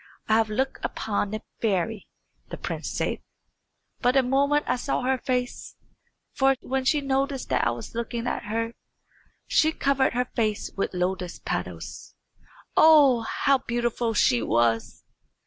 "I have looked upon a fairy," the prince said. "But a moment I saw her face; for when she noticed that I was looking at her she covered her face with lotus petals. Oh, how beautiful she was!